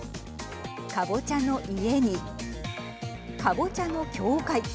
かぼちゃの家にかぼちゃの教会。